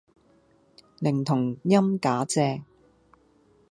寧同音假借